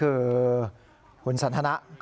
มีส่วนสารวัตรแมก